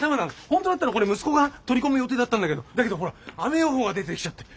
本当だったらこれ息子が取り込む予定だったんだけどだけどほら雨予報が出てきちゃって。